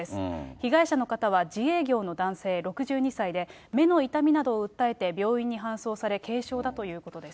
被害者の方は、自営業の男性６２歳で、目の痛みなどを訴えて病院に搬送され、軽傷だということです。